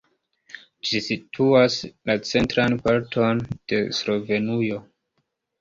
Ĝi situas la centran parton de Slovenujo.